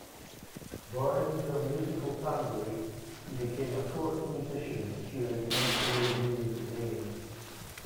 Born into a musical family, he became a court musician during Emperor Wu's reign.